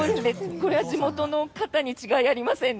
これは地元の方に違いありませんね。